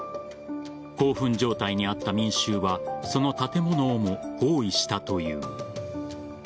興奮状態にあった民衆はその建物をも包囲したという。